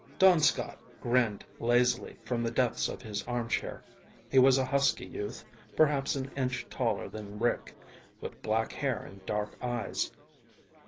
Don Scott grinned lazily from the depths of his armchair. He was a husky youth, perhaps an inch taller than Rick, with black hair and dark eyes.